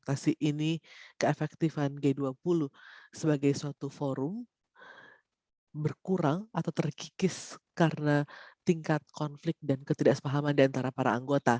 tapi keefektifan g dua puluh sebagai suatu forum berkurang atau terkikis karena tingkat konflik dan ketidaksepahaman diantara para anggota